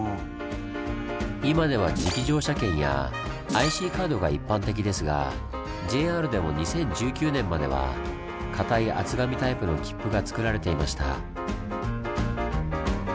今では磁気乗車券やＩＣカードが一般的ですがＪＲでも２０１９年までは硬い厚紙タイプのきっぷがつくられていました。